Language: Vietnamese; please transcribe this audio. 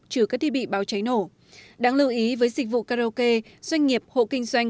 trừ các thiết bị báo cháy nổ đáng lưu ý với dịch vụ karaoke doanh nghiệp hộ kinh doanh